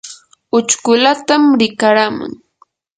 uchkulapam rikaraman.